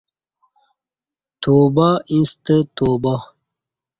توبہ ییںستہ توبہ